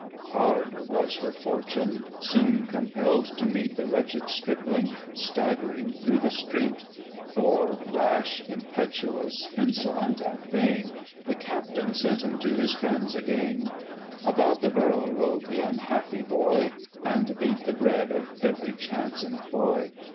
Hard was her fortune! soon compell'd to meet The wretched stripling staggering through the street; For, rash, impetuous, insolent, and vain, The Captain sent him to his friends again: About the Borough roved th' unnappy boy, And ate the bread of every chance employ!